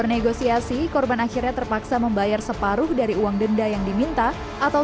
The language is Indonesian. negosiasi korban akhirnya terpaksa membayar separuh dari uang denda yang diminta atau